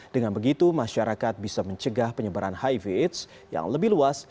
dengan begitu masyarakat bisa mencegah penyebaran hiv aids yang lebih luas